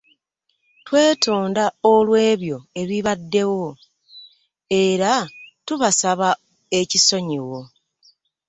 Twetonda olw’ebyo ebibaddewo, era tubasaba ekisonyiwo.